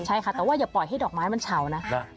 ใช่ค่ะแต่ว่าอย่าปล่อยให้ดอกไม้มันเฉานะ